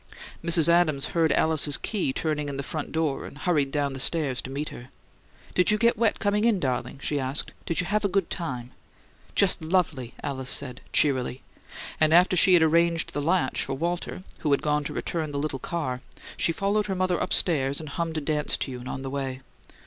Mrs. Adams heard Alice's key turning in the front door and hurried down the stairs to meet her. "Did you get wet coming in, darling?" she asked. "Did you have a good time?" "Just lovely!" Alice said, cheerily, and after she had arranged the latch for Walter, who had gone to return the little car, she followed her mother upstairs and hummed a dance tune on the way.